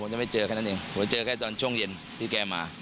จะไม่เจอแค่นั้นเองผมเจอแค่ตอนช่วงเย็นที่แกมา